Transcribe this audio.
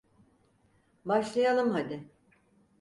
Başlayalım hadi.